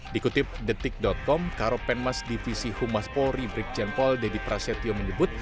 dikutip detik com karopenmas divisi humas polri brigjen pol dedy prasetyo menyebut